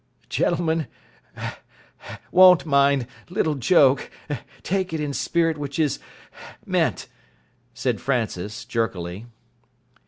"Gentleman won't mind little joke take it in spirit which is meant," said Francis, jerkily.